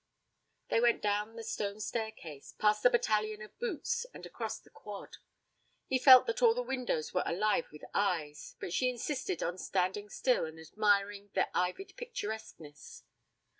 They went down the stone staircase, past the battalion of boots, and across the quad. He felt that all the windows were alive with eyes, but she insisted on standing still and admiring their ivied picturesqueness.